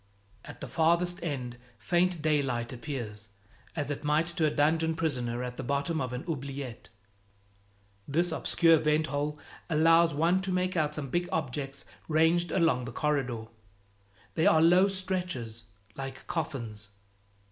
At the farthest end faint daylight appears, as it might to a dungeon prisoner at the bottom of an oubliette. This obscure vent hole allows one to make out some big objects ranged along the corridor; they are low stretchers, like coffins.